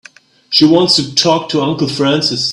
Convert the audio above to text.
She wants to talk to Uncle Francis.